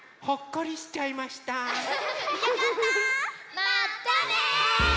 まったね！